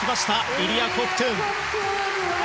イリア・コフトゥン。